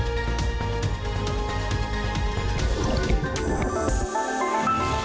โปรดติดตามตอนต่อไป